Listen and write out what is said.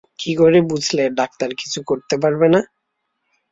কী করে বুঝলে ডাক্তার কিছু করতে পারবে না?